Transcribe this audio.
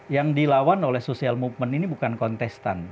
yang dilawan oleh social movement ini bukan kontestan